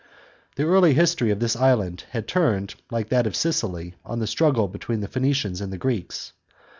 The early history of this island had turned, like that of Sicily, on the struggle between the Phoeni cians and the Greeks.